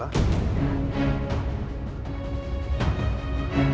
aku sudah berpikir